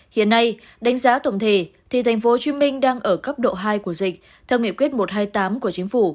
hiện nay đánh giá tổng thể thì tp hcm đang ở cấp độ hai của dân